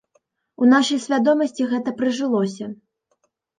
У нашай свядомасці гэта прыжылося.